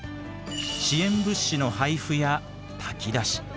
支援物資の配布や炊き出し。